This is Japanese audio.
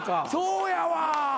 そうやわ。